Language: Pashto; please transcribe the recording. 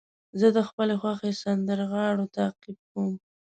زه د خپلو خوښې سندرغاړو تعقیب کوم.